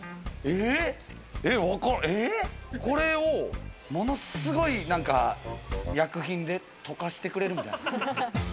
これをものすごい薬品で溶かしてくれるとか？